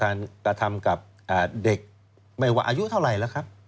กระทำกับเด็กไม่ว่าอายุเท่าไหร่แล้วครับ